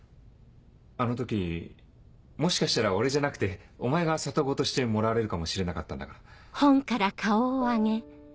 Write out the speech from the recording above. あの時もしかしたら俺じゃなくてお前が里子としてもらわれるかもしれなかったんだから。